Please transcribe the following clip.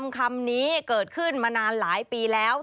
คำนี้เกิดขึ้นมานานหลายปีแล้ว